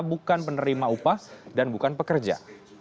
bukan penerima upah dan bukan pekerja